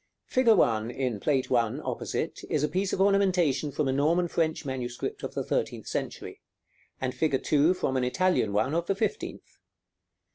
§ IX. Fig. 1 in Plate I., opposite, is a piece of ornamentation from a Norman French manuscript of the thirteenth century, and fig. 2 from an Italian one of the fifteenth.